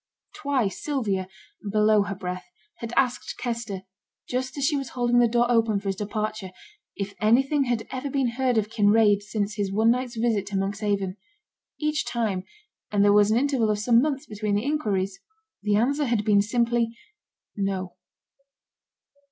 Twice Sylvia below her breath had asked Kester, just as she was holding the door open for his departure, if anything had ever been heard of Kinraid since his one night's visit to Monkshaven: each time (and there was an interval of some months between the inquiries) the answer had been simply, no.